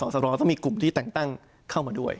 สรต้องมีกลุ่มที่แต่งตั้งเข้ามาด้วย